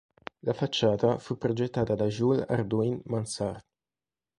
La facciata fu progettata da Jules Hardouin Mansart.